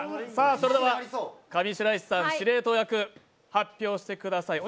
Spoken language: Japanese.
それでは上白石さん、司令塔役発表してください。